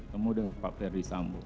temu dengan pak ferdis sambo